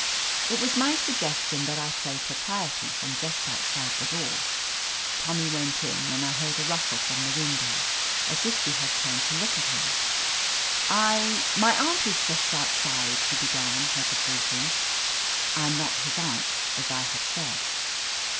It was my suggestion that I play propriety from just outside the door. Tommy went in, and I heard a rustle from the window, as if she had turned to look at him. "I — ^my aimt is just outside," he began, hesi tating. I am not his aunt, as I have said.